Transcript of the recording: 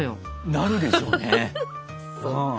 なるでしょうね。